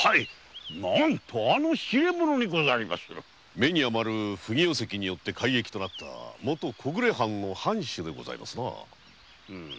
目に余る不行跡によって改易となったもと小暮藩の藩主でございますな。